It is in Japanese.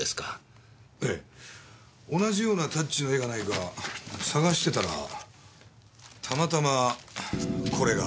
ええ同じようなタッチの絵がないか探してたらたまたまこれが。